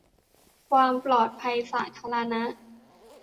ความปลอดภัยสาธารณะ